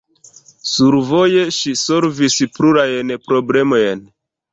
Survoje ŝi solvis plurajn problemojn.